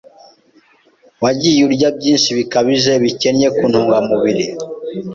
Wagiye urya byinshi bikabije, bikennye ku ntungamubiri,